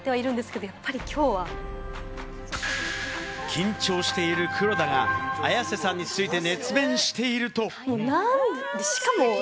緊張している黒田が綾瀬さんについて熱弁していると。